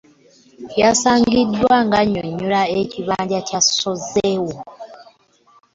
Yasangiddwa ng'annyonnyola ekibinja ekya soosewo